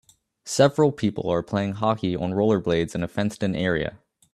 Several people are playing hockey on rollerblades in a fenced in area